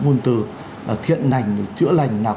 nguồn từ là thiện nành chữa lành nạc